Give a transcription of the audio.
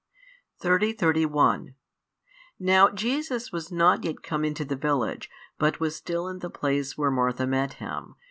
30, 31 Now Jesus was not yet come into the village, but was still in the place where Martha met Him.